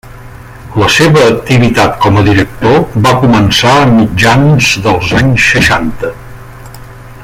La seva activitat com a director va començar a mitjans dels anys seixanta.